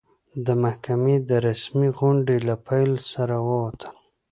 د محکمې د رسمي غونډې له پیل سره ووتل.